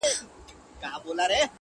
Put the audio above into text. هم بوره، هم بد نامه.